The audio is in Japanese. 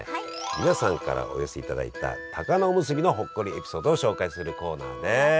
皆さんからお寄せいただいた高菜おむすびのほっこりエピソードを紹介するコーナーです。